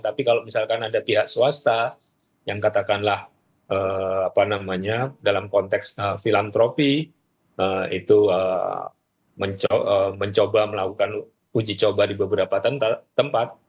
tapi kalau misalkan ada pihak swasta yang katakanlah dalam konteks filantropi itu mencoba melakukan uji coba di beberapa tempat